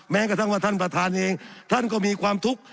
แม้กระทั่งว่าท่านประธานเองท่านก็มีความทุกข์